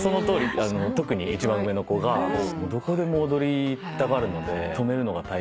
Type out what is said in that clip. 特に一番上の子がどこでも踊りたがるので止めるのが大変。